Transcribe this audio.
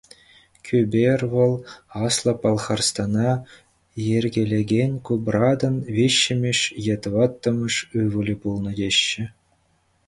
Кӳпер вӑл Аслӑ Пӑлхарстана йӗркелекен Купратӑн виҫҫӗмӗш е тӑваттӑмӗш ывӑлӗ пулнӑ, теҫҫӗ.